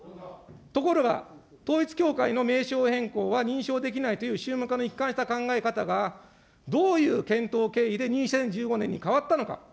ところが、統一教会の名称変更は認証できないという宗務課の一貫した考え方がどういう検討経緯で２０１５年に変わったのか。